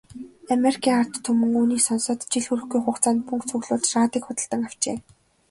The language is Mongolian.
Америкийн ард түмэн үүнийг сонсоод жил хүрэхгүй хугацаанд мөнгө цуглуулж, радийг худалдан авчээ.